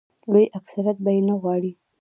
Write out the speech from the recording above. لوی اکثریت به یې نه غواړي.